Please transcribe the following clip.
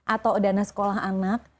atau dana sekolah anak